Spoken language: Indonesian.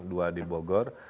dua di bogor